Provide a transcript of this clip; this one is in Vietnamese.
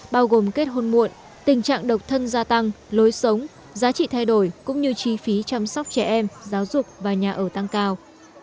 bao gồm kết hôn muộn tình trạng độc thân gia tăng lối sống giá trị thay đổi cũng như chi phí chăm sóc trẻ em giáo dục và nhà ở tăng cao